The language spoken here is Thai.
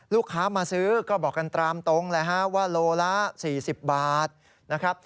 ลูกค้ามาซื้อก็บอกกันตามตรงเลยฮะว่าโลละ๔๐บาทนะครับ